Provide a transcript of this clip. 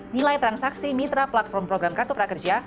nilai transaksi mitra platform program kartu prakerja